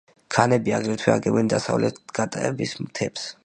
ქანები აგრეთვე აგებენ დასავლეთი გატების მთებს.